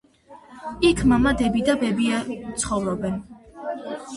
იქ მამა, დები და ბებია ცხოვრობენ.